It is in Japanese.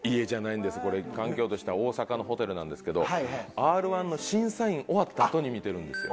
これ環境としては大阪のホテルなんですけどＲ−１の審査員終わったあとに見てるんですよ。